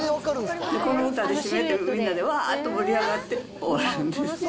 この歌で締めて、みんなでわーって盛り上がって終わるんです。